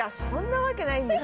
そんなわけない。